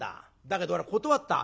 だけど俺は断った。